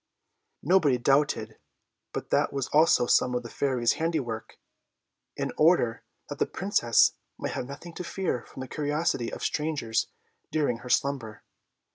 Nobody doubted but that was also some of the Fairy's handiwork, in order that the Princess might have nothing to fear from the curiosity of strangers during her slumber.